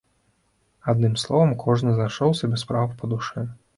Адным словам, кожны знайшоў сабе справу па душы.